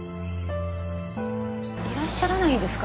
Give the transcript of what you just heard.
いらっしゃらないんですか？